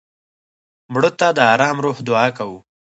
مړه ته د ارام روح دعا کوو